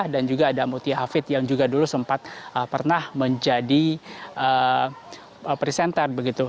dan juga ada muti hafid yang juga dulu sempat pernah menjadi presenter begitu